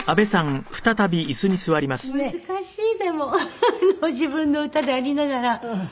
難しいでも自分の歌でありながら。